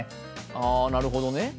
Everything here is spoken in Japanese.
ああなるほどね。